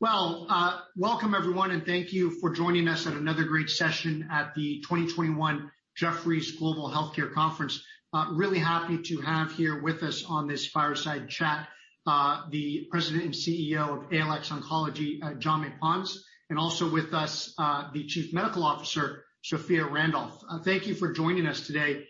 Welcome everyone, and thank you for joining us at another great session at the 2021 Jefferies Global Healthcare Conference. Really happy to have here with us on this fireside chat, the President and CEO of ALX Oncology, Jaume Pons. Also with us, the Chief Medical Officer, Sophia Randolph. Thank you for joining us today.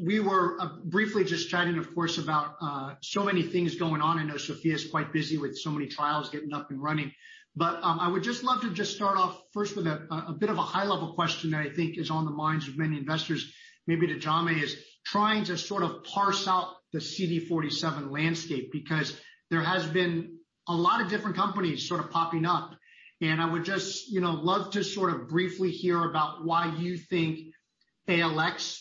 We were briefly just chatting, of course, about so many things going on. I know Sophia's quite busy with so many trials getting up and running. I would just love to just start off first with a bit of a high-level question that I think is on the minds of many investors, maybe to Jaume, is trying to parse out the CD47 landscape because there has been a lot of different companies popping up. I would just love to briefly hear about why you think ALX148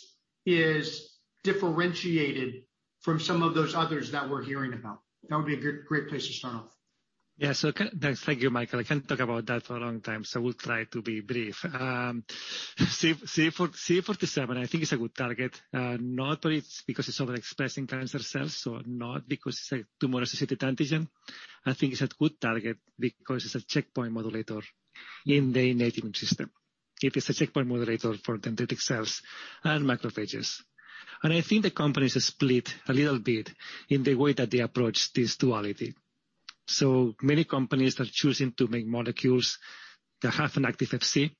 is differentiated from some of those others that we're hearing about. That would be a great place to start off. Thank you, Michael. I can talk about that for a long time, so I will try to be brief. CD47, I think it's a good target. Not only it's because it's overexpressing cancer cells, so not because it's a tumor-associated antigen. It's a good target because it's a checkpoint modulator in the immune system. It is a checkpoint modulator for dendritic cells and macrophages. The companies split a little bit in the way that they approach this duality. Many companies are choosing to make molecules that have an active FC.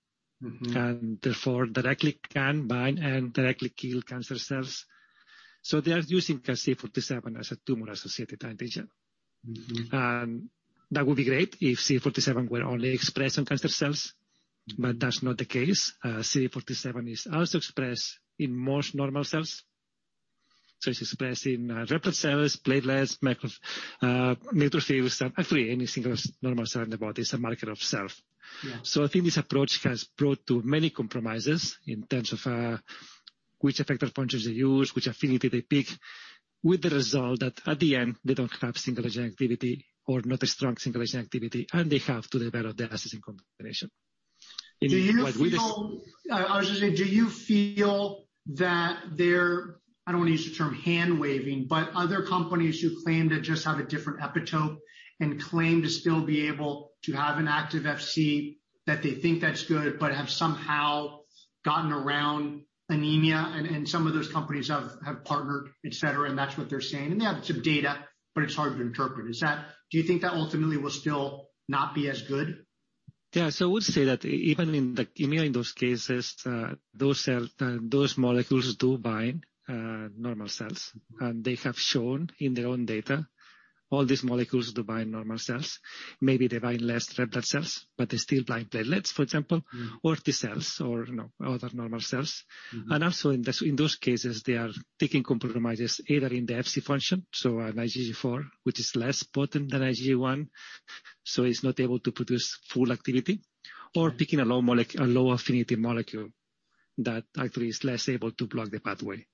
Therefore directly can bind and directly kill cancer cells. They are using CD47 as a tumor-associated antigen. That would be great if CD47 were only expressed on cancer cells. That's not the case. CD47 is also expressed in most normal cells. It's expressed in red blood cells, platelets, neutrophils, actually any single normal cell in the body. It's a marker of self. I think this approach has brought to many compromises in terms of which effector functions they use, which affinity they pick, with the result that at the end, they don't have single-agent activity or not a strong single-agent activity, and they have to develop the assets in combination. Do you feel that there, I don't want to use the term hand-waving, but other companies who claim to just have a different epitope and claim to still be able to have an active FC, that they think that's good, but have somehow gotten around anemia and some of those companies have partnered, et cetera, and that's what they're saying. They have some data, but it's hard to interpret. Do you think that ultimately will still not be as good? Yeah. I would say that even in those cases, those molecules do bind normal cells. They have shown in their own data all these molecules do bind normal cells. Maybe they bind less red blood cells, but they still bind platelets, for example, or T cells or other normal cells. Also in those cases, they are taking compromises either in the FC function, so an IgG4, which is less potent than IgG1, so it's not able to produce full activity. Picking a low affinity molecule that actually is less able to block the pathway.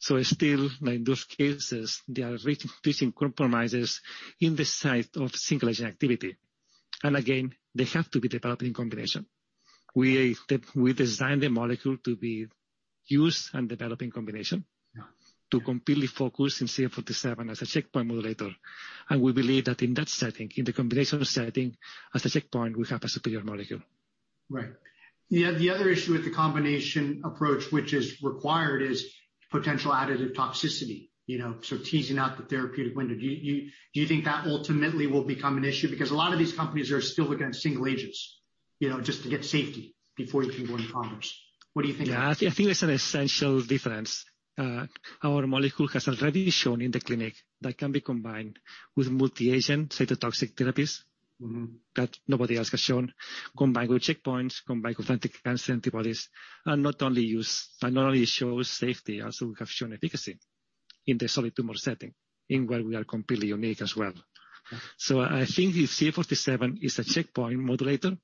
Still, in those cases, they are reaching compromises in the site of single-agent activity. Again, they have to be developed in combination. We designed the molecule to be used and developed in combination. To completely focus in CD47 as a checkpoint modulator. We believe that in that setting, in the combination setting, as a checkpoint, we have a superior molecule. Right. The other issue with the combination approach, which is required, is potential additive toxicity. Teasing out the therapeutic window. Do you think that ultimately will become an issue? A lot of these companies are still against single agents, just to get safety before you can go into commerce. What do you think about that? That's an essential difference. Our molecule has already shown in the clinic that it can be combined with multi-agent cytotoxic therapies. That nobody else has shown, combined with checkpoints, combined with anti-cancer antibodies. Not only shows safety, also we have shown efficacy in the solid tumor setting, in where we are completely unique as well. I think if CD47 is a checkpoint modulator,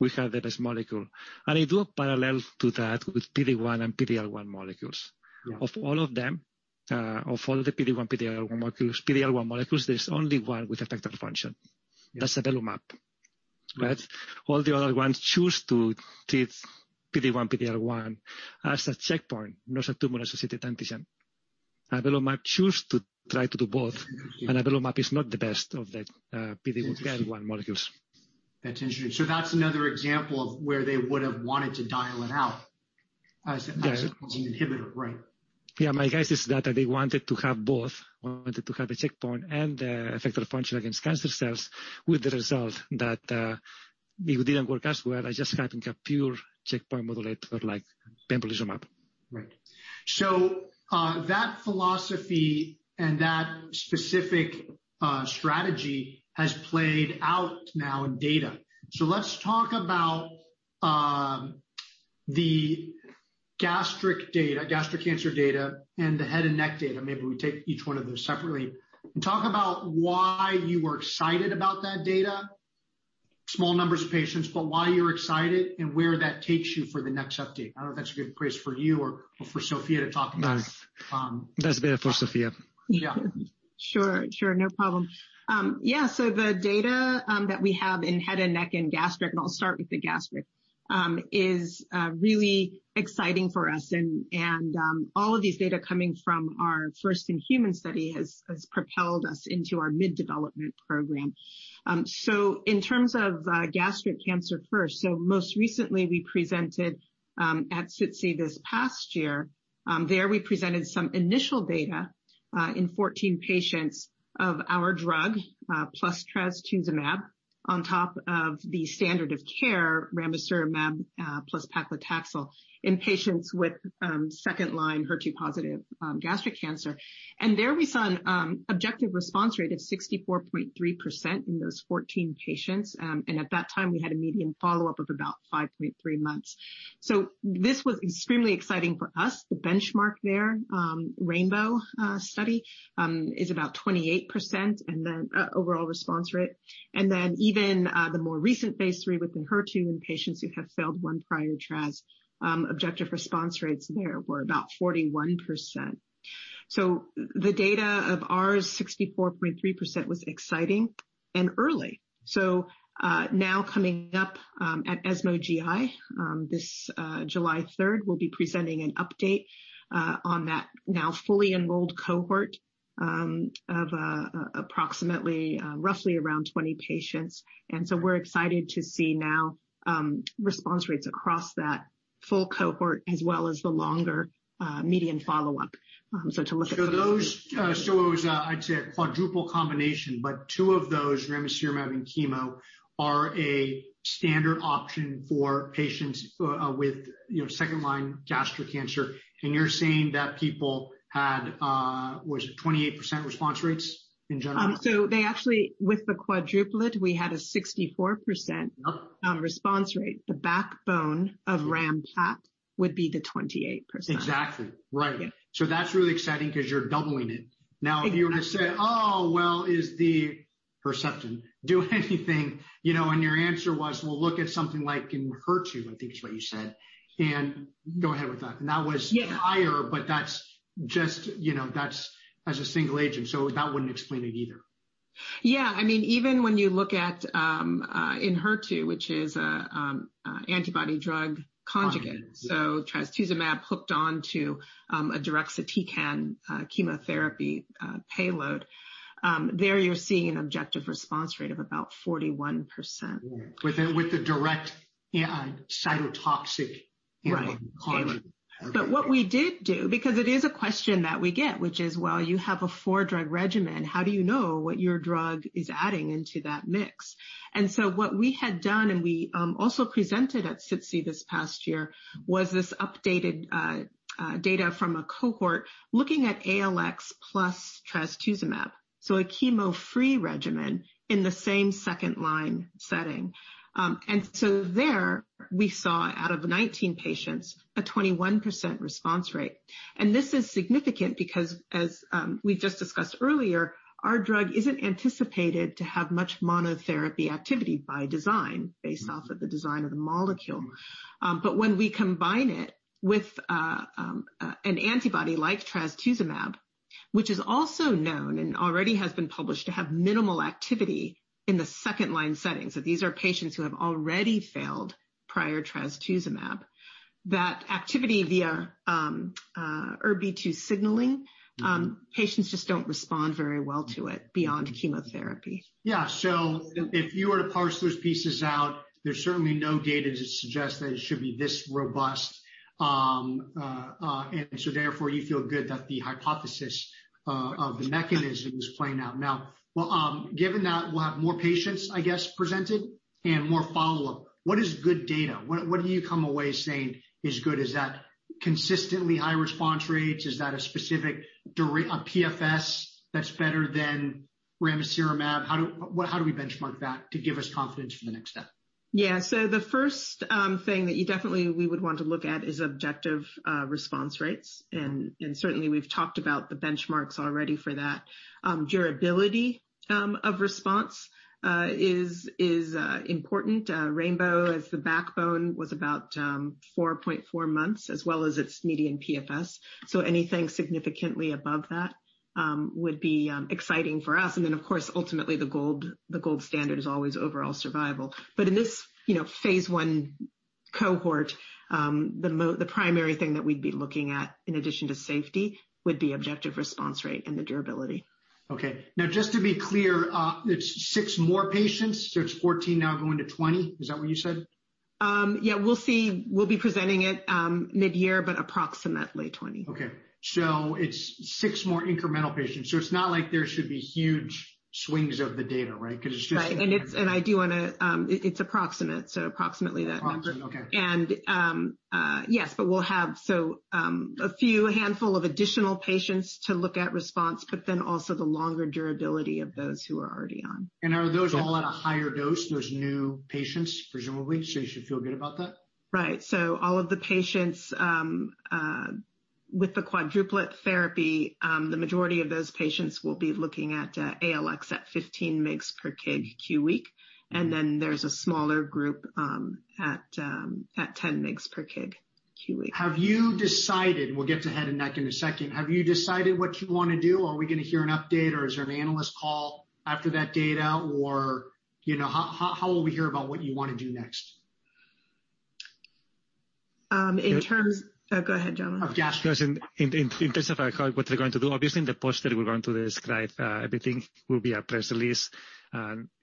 we have the best molecule. I draw a parallel to that with PD-1 and PD-L1 molecules. Of all of them, of all the PD-1, PD-L1 molecules, there is only one with effector function. That's BAVENCIO. All the other ones choose to treat PD-1, PD-L1 as a checkpoint, not a tumor-associated antigen. BAVENCIO chooses to try to do both. BAVENCIO is not the best of the PD-L1 molecules. That's interesting. That's another example of where they would have wanted to dial it out as an inhibitor, right? Yeah, my guess is that they wanted to have both. Wanted to have a checkpoint and effector function against cancer cells with the result that it didn't work as well as just having a pure checkpoint modulator like Pembrolizumab. Right. That philosophy and that specific strategy has played out now in data. Let's talk about the gastric cancer data and the head and neck data. Maybe we take each one of those separately and talk about why you were excited about that data. Small numbers of patients, why you're excited and where that takes you for the next update. I don't know if that's a good place for you or for Sophia to talk about. No. That's better for Sophia. Yeah. Sure. No problem. The data that we have in head and neck and gastric, and I'll start with the gastric, is really exciting for us. All of these data coming from our first-in-human study has propelled us into our mid-development program. In terms of gastric cancer first, most recently we presented at SITC this past year. There we presented some initial data in 14 patients of our drug plus trastuzumab on top of the standard of care ramucirumab plus paclitaxel in patients with second-line HER2-positive gastric cancer. There we saw an objective response rate of 64.3% in those 14 patients, and at that time we had a median follow-up of about 5.3 months. This was extremely exciting for us. The benchmark there, RAINBOW study, is about 28%, and then overall response rate. Even the more recent phase III with ENHERTU in patients who had failed one prior trast, objective response rates there were about 41%. The data of ours, 64.3%, was exciting and early. Coming up at ESMO GI this July 3rd, we'll be presenting an update on that now fully enrolled cohort of approximately roughly around 20 patients. We're excited to see now response rates across that full cohort as well as the longer median follow-up. It was, I'd say, a quadruple combination, but two of those, ramucirumab and chemo, are a standard option for patients with 2nd-line gastric cancer. You're saying that people had, was it 28% response rates in general? They actually, with the quadruplet, we had a 64% response rate. The backbone of ram pac would be the 28%. Exactly. Right. That's really exciting because you're doubling it. Now, you say, "Oh, well, is the evorpacept doing anything?" Your answer was, "We'll look at something like ENHERTU," I think is what you said. Go ahead with that. That was higher, that's as a single agent, that wouldn't explain it either. Yeah. Even when you look at ENHERTU, which is an antibody-drug conjugate, so trastuzumab hooked onto a deruxtecan chemotherapy payload. There you're seeing an objective response rate of about 41%. With the direct cytotoxic chemical conjugate. What we did do, because it is a question that we get, which is, well, you have a four-drug regimen, how do you know what your drug is adding into that mix? So what we had done, and we also presented at SITC this past year, was this updated data from a cohort looking at ALX148 plus trastuzumab, so a chemo-free regimen in the same second-line setting. So there we saw out of 19 patients a 21% response rate. This is significant because, as we just discussed earlier, our drug isn't anticipated to have much monotherapy activity by design based off of the design of the molecule. When we combine it with an antibody like trastuzumab, which is also known and already has been published to have minimal activity in the second-line setting, so these are patients who have already failed prior trastuzumab. That activity via HER2 signaling, patients just don't respond very well to it beyond chemotherapy. If you were to parse those pieces out, there's certainly no data to suggest that it should be this robust. Therefore, you feel good that the hypothesis of the mechanism is playing out. Given that we'll have more patients, I guess, presented and more follow-up, what is good data? What do you come away saying is good? Is that consistently high response rates? Is that a specific PFS that's better than ramucirumab? How do we benchmark that to give us confidence for the next step? Yeah. The first thing that you definitely we would want to look at is objective response rates, and certainly we've talked about the benchmarks already for that. Durability of response is important. RAINBOW as the backbone was about 4.4 months as well as its median PFS. Anything significantly above that would be exciting for us. Of course, ultimately the gold standard is always overall survival. In this phase I cohort, the primary thing that we'd be looking at in addition to safety would be objective response rate and the durability. Okay. Now just to be clear, it's six more patients, so it's 14 now going to 20. Is that what you said? We'll be presenting it mid-year, but approximately 20. Okay. It's six more incremental patients, so it's not like there should be huge swings of the data, right? Because it's just incremental. It's approximate, so approximately that number. Approximate, okay. Yes. We'll have a few handful of additional patients to look at response, but then also the longer durability of those who are already on. Are those all at a higher dose, those new patients, presumably, so you should feel good about that? Right. All of the patients with the quadruplet therapy, the majority of those patients will be looking at ALX148 at 15 mg per kg q week, and then there's a smaller group at 10 mg per kg q week. Have you decided, we'll get to head and neck in a second, have you decided what you want to do? Are we going to hear an update or is there an analyst call after that data? How will we hear about what you want to do next? Go ahead, Jaume. Yeah. Just in terms of what we're going to do, obviously in the poster we're going to describe everything. There will be a press release.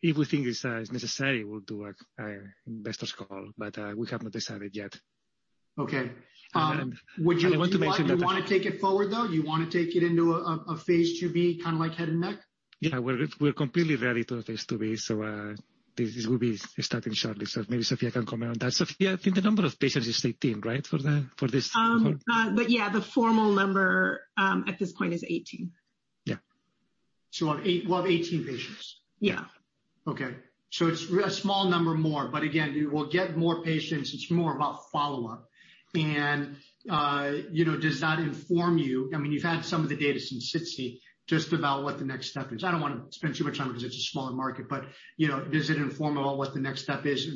If we think it's necessary, we'll do an investor call, but we haven't decided yet. Okay. And I want to note that. Do you want to take it forward, though? Do you want to take it into a phase II-B, kind of like head and neck? Yeah. We're completely ready to phase II-B, so this will be starting shortly. Maybe Sophia can comment on that. Sophia, I think the number of patients is 18, right, for this. Yeah, the formal number, at this point, is 18. Yeah. We'll have 18 patients. Yeah. It's a small number more, again, we'll get more patients. It's more about follow-up. Does that inform you've had some of the data since SITC, just about what the next step is? I don't want to spend too much time on it because it's a smaller market, does it inform at all what the next step is?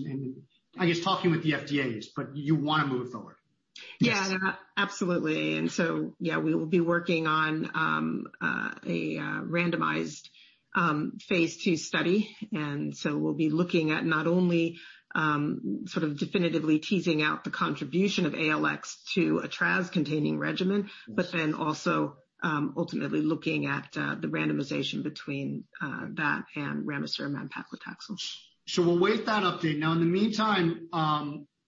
I guess talking with the FDA is, you want to move forward. Yeah. Absolutely. We will be working on a randomized phase II study. We'll be looking at not only sort of definitively teasing out the contribution of ALX148 to a trastuzumab-containing regimen, but then also, ultimately looking at the randomization between that and ramucirumab paclitaxel. We'll wait for that update. In the meantime,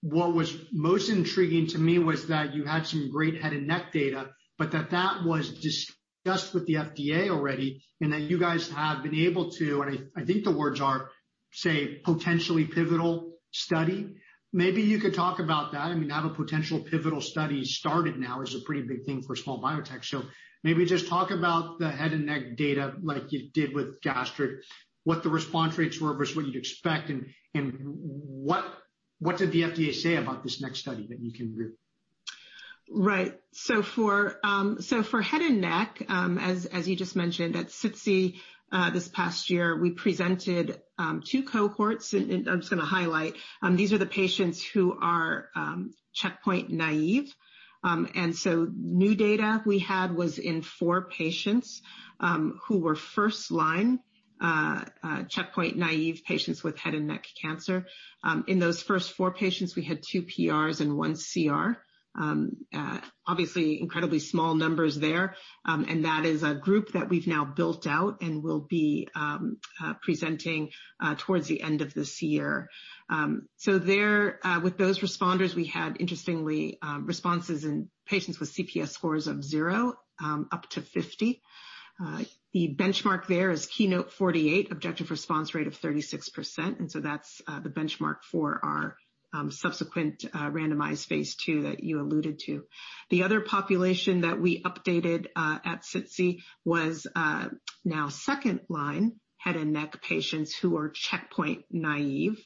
what was most intriguing to me was that you had some great head and neck data, but that that was discussed with the FDA already, and that you guys have been able to, and I think the words are, say, potentially pivotal study. Maybe you could talk about that. To have a potential pivotal study started now is a pretty big thing for a small biotech. Maybe just talk about the head and neck data like you did with gastric, what the response rates were versus what you'd expect, and what did the FDA say about this next study that you can do? Right. For head and neck, as you just mentioned, at SITC this past year, we presented two cohorts, and I'm just going to highlight, these are the patients who are checkpoint-naïve. New data we had was in four patients who were first-line checkpoint-naïve patients with head and neck cancer. In those first four patients, we had two PRs and one CR. Obviously, incredibly small numbers there. That is a group that we've now built out and will be presenting towards the end of this year. There, with those responders, we had, interestingly, responses in patients with CPS scores of zero up to 50. The benchmark there is KEYNOTE-048, objective response rate of 36%. That's the benchmark for our subsequent randomized phase II that you alluded to. The other population that we updated at SITC was now second-line head and neck patients who are checkpoint-naïve.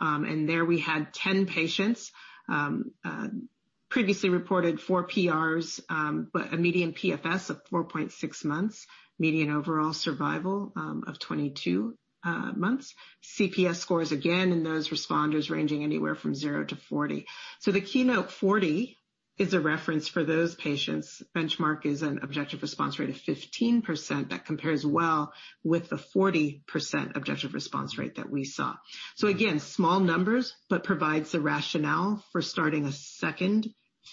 There we had 10 patients. Previously reported four PRs, but a median PFS of 4.6 months, median overall survival of 22 months. CPS scores, again, in those responders ranging anywhere from zero to 40. The KEYNOTE-040 is a reference for those patients. Benchmark is an objective response rate of 15%. That compares well with the 40% objective response rate that we saw. Again, small numbers, but provides the rationale for starting a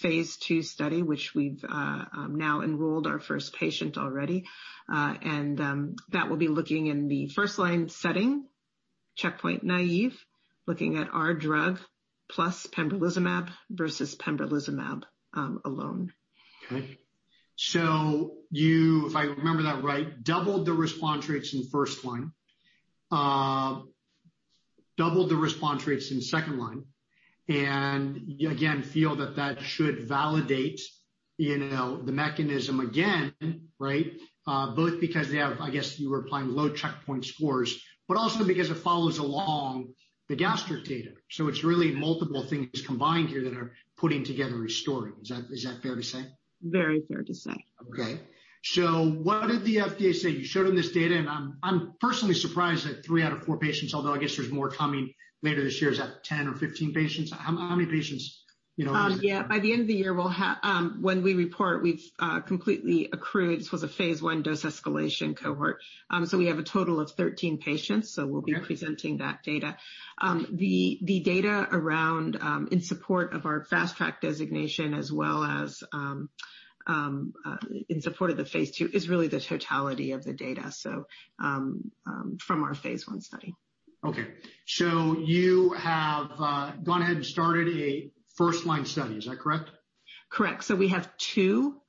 second phase II study, which we've now enrolled our first patient already. That will be looking in the first-line setting, checkpoint-naïve, looking at our drug plus pembrolizumab versus pembrolizumab alone. Okay. You, if I remember that right, doubled the response rates in first line, doubled the response rates in second line, and you again, feel that that should validate the mechanism again, right? Both because they have, I guess you were applying low checkpoint scores, but also because it follows along the gastric data. It's really multiple things combined here that are putting together a story. Is that fair to say? Very fair to say. Okay. What did the FDA say? You showed them this data, and I'm personally surprised that three out of four patients, although I guess there's more coming later this year. Is that 10 or 15 patients? How many patients is it? By the end of the year, when we report, we've completely accrued. This was a phase I dose escalation cohort. We have a total of 13 patients, so we'll be presenting that data. The data in support of our Fast Track designation as well as in support of the phase II is really the totality of the data from our phase I study. Okay. You have gone ahead and started a first-line study. Is that correct? Correct. We have two,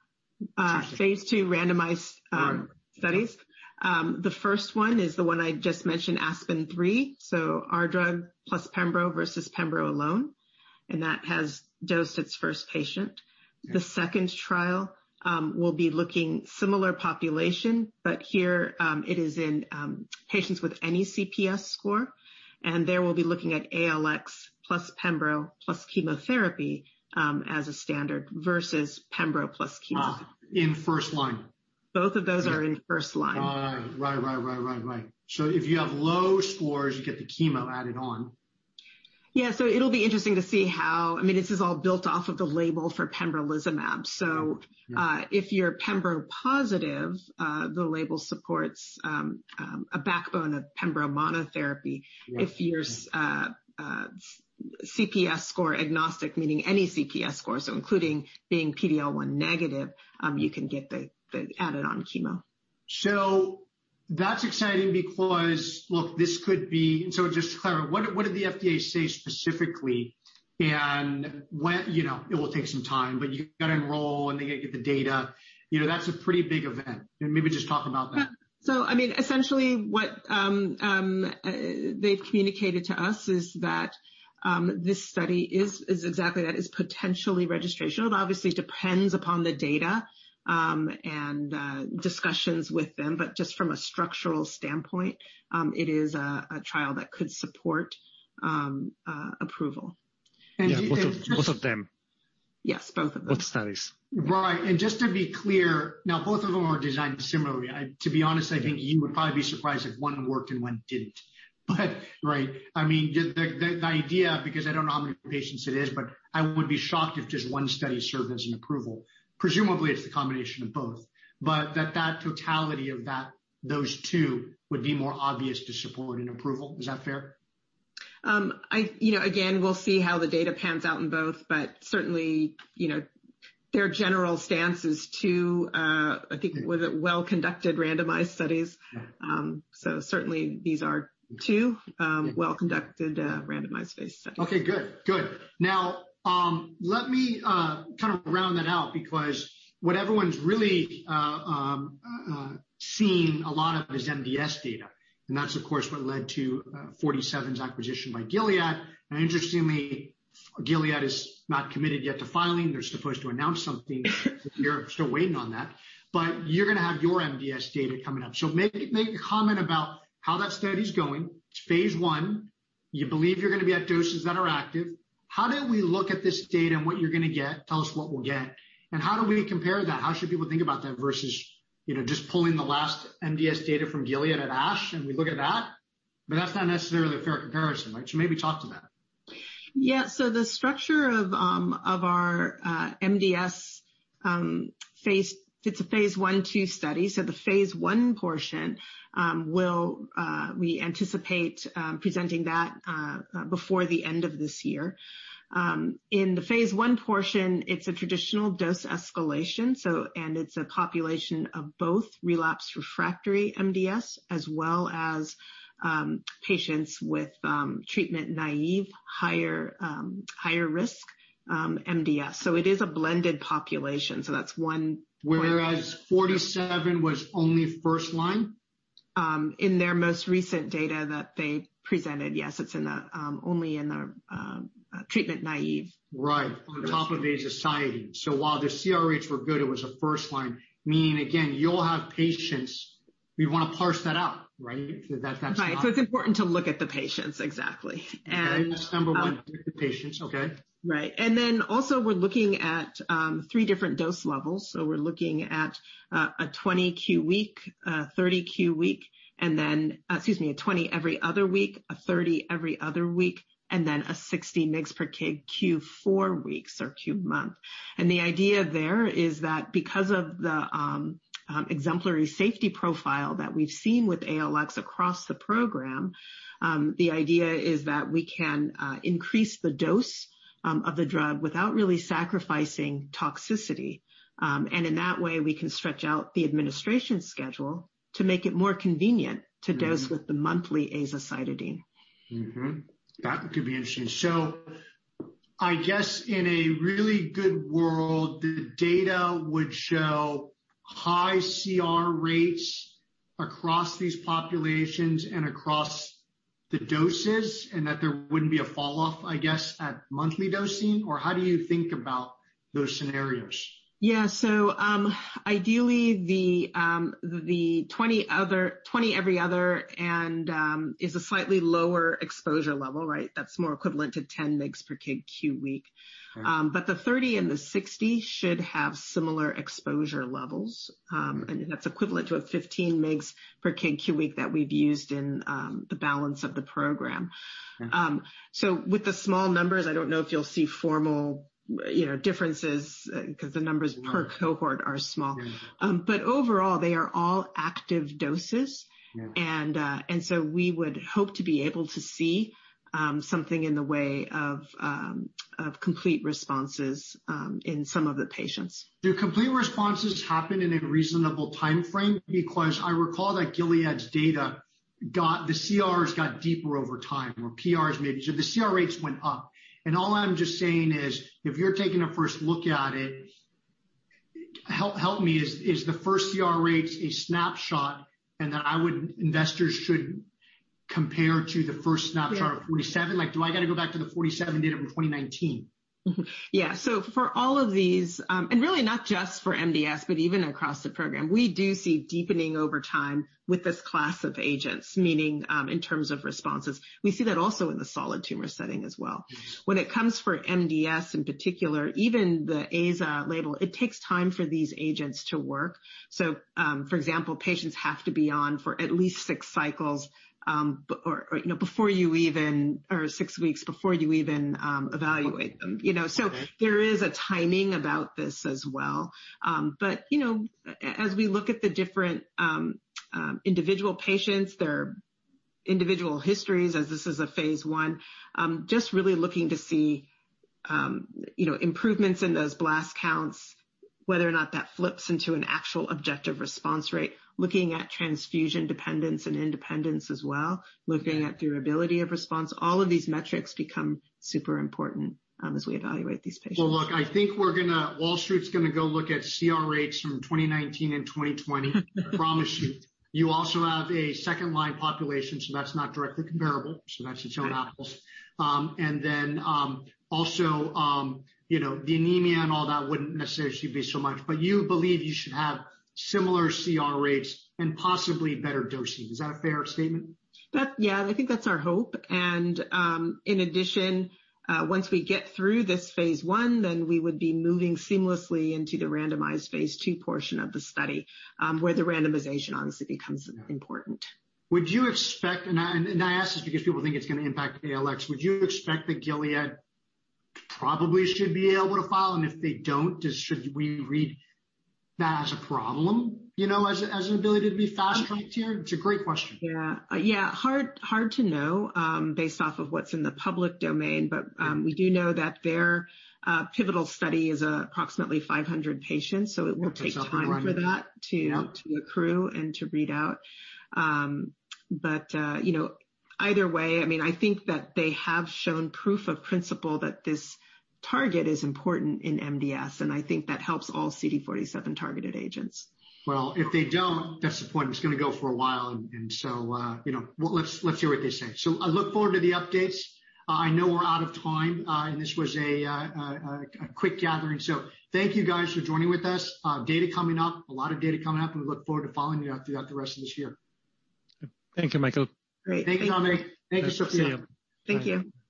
phase II randomized studies. The first one is the one I just mentioned, ASPEN-03, so our drug plus pembro versus pembro alone, and that has dosed its first patient. The second trial will be looking similar population, but here it is in patients with any CPS score, and there we'll be looking at ALX148 plus pembro, plus chemotherapy as a standard versus pembro plus chemo. In first line. Both of those are in first line. All right. If you have low scores, you get the chemo added on. Yeah. This is all built off of the label for pembrolizumab. If you're pembro positive, the label supports a backbone of pembro monotherapy. If you're CPS score agnostic, meaning any CPS score, so including being PD-L1 negative, you can get the added-on chemo. That's exciting because, look. Just kind of, what did the FDA say specifically? It will take some time, but you got to enroll, and they got to get the data. That's a pretty big event. Maybe just talk about that. Yeah. Essentially what they've communicated to us is that this study is exactly that. It's potentially registrational. Obviously, it depends upon the data and discussions with them, but just from a structural standpoint, it is a trial that could support approval. Yeah. Both of them. Yes, both of them. Both studies. Right. Just to be clear, now, both of them are designed similarly. To be honest, I think you would probably be surprised if one worked and one didn't. Right, the idea, because I don't know how many patients it is, but I would be shocked if just one study served as an approval. Presumably, it's the combination of both, but that totality of those two would be more obvious to support an approval. Is that fair? Again, we'll see how the data pans out in both, but certainly, their general stance is two, I think, well-conducted randomized studies. Certainly, these are two well-conducted randomized phase studies. Okay, good. Let me kind of round that out, because what everyone's really seen a lot of is MDS data, and that's, of course, what led to Forty Seven's acquisition by Gilead. Interestingly, Gilead has not committed yet to filing. They're supposed to announce something this year, we're waiting on that. You're going to have your MDS data coming up. Maybe comment about how that study's going. It's phase I. You believe you're going to be at doses that are active. How do we look at this data and what you're going to get? Tell us what we'll get, how do we compare that? How should people think about that versus just pulling the last MDS data from Gilead at ASH, we look at that? That's not necessarily a fair comparison, right? Maybe talk to that. The structure of our MDS, it's a phase I/II study, so the phase I portion, we anticipate presenting that before the end of this year. In the phase I portion, it's a traditional dose escalation, and it's a population of both relapsed/refractory MDS as well as patients with treatment-naive, higher-risk MDS. It is a blended population. Whereas Forty Seven was only first line? In their most recent data that they presented, yes, it's only in the treatment-naive. Right. On top of azacitidine. While the CR rates were good, it was a first line, meaning again, you'll have patients. We want to parse that out, right? Right. It's important to look at the patients, exactly. Okay. That's number one, look at the patients. Okay. Right. Also, we're looking at three different dose levels. We're looking at a 20 q week, a 30 q week, a 20 every other week, a 30 every other week, and then a 60 mg/kg q four weeks or q month. The idea there is that because of the exemplary safety profile that we've seen with ALX148 across the program, the idea is that we can increase the dose of the drug without really sacrificing toxicity. In that way, we can stretch out the administration schedule to make it more convenient to dose with the monthly azacitidine. That could be interesting. I guess in a really good world, the data would show high CR rates across these populations and across the doses, and that there wouldn't be a fall-off, I guess, at monthly dosing? How do you think about those scenarios? Yeah. Ideally, the 20 every other is a slightly lower exposure level, right? That's more equivalent to 10 mg per kg q week. The 30 and the 60 should have similar exposure levels. That's equivalent to a 15 mgs per kg q week that we've used in the balance of the program. With the small numbers, I don't know if you'll see formal differences because the numbers per cohort are small. Overall, they are all active doses. We would hope to be able to see something in the way of complete responses in some of the patients. Do complete responses happen in a reasonable timeframe? Because I recall that Gilead's data, the CRs got deeper over time, or PRs maybe. The CR rates went up. All I'm just saying is, if you're taking a first look at it, help me. Is the first CR rates a snapshot and that investors should compare to the first snapshot? Of Forty Seven? Do I got to go back to the Forty Seven data from 2019? Yeah. For all of these, and really not just for MDS, but even across the program, we do see deepening over time with this class of agents, meaning in terms of responses. We see that also in the solid tumor setting as well. When it comes for MDS in particular, even the AZA label, it takes time for these agents to work. For example, patients have to be on for at least six cycles, or six weeks before you even evaluate them. There is a timing about this as well. As we look at the different individual patients, their individual histories as this is a phase I, just really looking to see improvements in those blast counts, whether or not that flips into an actual objective response rate, looking at transfusion dependence and independence as well, looking at durability of response. All of these metrics become super important as we evaluate these patients. Well, look, I think Wall Street's going to go look at CR from 2019 and 2020. Promise you. You also have a second-line population, so that's not directly comparable, so that's its own apples. Also, the anemia and all that wouldn't necessarily be so much, but you believe you should have similar CR rates and possibly better dosing. Is that a fair statement? Yeah, I think that's our hope. In addition, once we get through this phase I, then we would be moving seamlessly into the randomized phase II portion of the study, where the randomization obviously becomes important. Would you expect, I ask this because people think it's going to impact ALX148, would you expect that Gilead probably should be able to file, and if they don't, should we read that as a problem? As an ability to be Fast Tracked here? It's a great question. Yeah. Hard to know based off of what's in the public domain. We do know that their pivotal study is approximately 500 patients, so it will take time for that to accrue and to read out. Either way, that they have shown proof of principle that this target is important in MDS, and I think that helps all CD47-targeted agents. Well, if they don't, that's the point. It's going to go for a while, let's hear what they say. I look forward to the updates. I know we're out of time, this was a quick gathering. Thank you guys for joining with us. Data coming up, a lot of data coming up, we look forward to following you throughout the rest of this year. Thank you, Michael. Great. Thank you, Jaume Pons. Thank you, Sophia. Thank you. Bye.